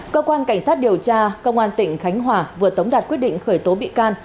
cơ quan cảnh sát điều tra công an tỉnh khánh hòa vừa tống đạt quyết định khởi tố bị can